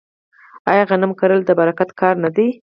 آیا غنم کرل د برکت کار نه دی؟